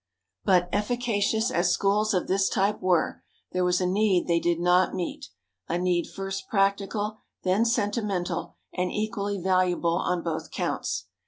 But efficacious as schools of this type were, there was a need they did not meet, a need first practical, then sentimental, and equally valuable on both counts.